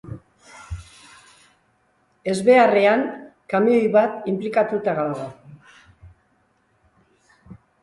Ezbeharrean kamioi bat inplikatuta dago.